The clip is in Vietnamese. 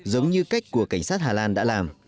giống như cách của cảnh sát hà lan đã làm